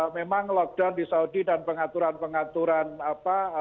memang lockdown di saudi dan pengaturan pengaturan apa